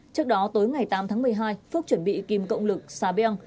trước đó tới ngày tám tháng một mươi hai phúc chuẩn bị kim cộng lực sabian